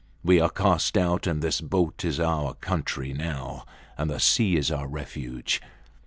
We are cast out and this boat is our country now and the sea is our refuge.